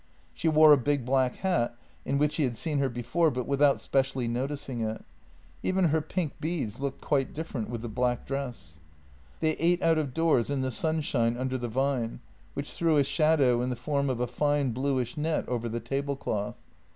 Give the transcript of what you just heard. She wore a big black hat, in which he had seen her before, but without specially noticing it. Even her pink beads looked quite different with the black dress. They ate out of doors in the sunshine under the vine, which threw a shadow in the form of a fine bluish net over the tablecloth.